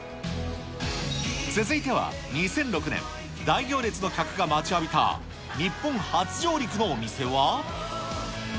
続いては２００６年、大行列の客が待ちわびた日本初上陸のお店は。